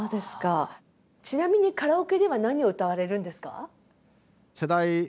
ちなみにカラオケでは何を歌われるんですか？